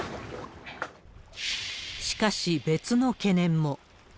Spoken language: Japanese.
しかし、別の懸念も。